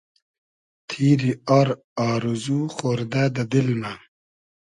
تیری آر آرزو خۉردۂ دۂ دیل مۂ